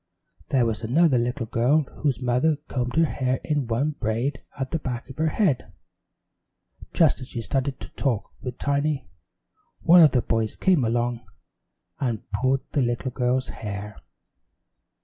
There was another little girl whose mother combed her hair in one braid at the back of her head. Just as she started to talk with Tiny, one of the boys came along, and pulled the little girl's hair.